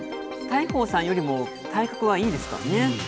大鵬さんよりも体格はいいですからね。